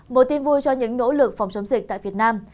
một tin vui cho những nỗ lực phòng chống dịch tại việt nam